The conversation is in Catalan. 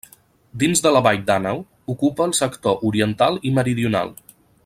Dins de la Vall d'Àneu, ocupa el sector oriental i meridional.